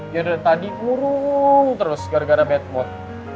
ya dari tadi ngurung terus gara gara bad mood